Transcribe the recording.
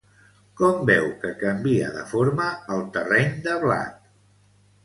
Com veu que canvia de forma el terreny de blat?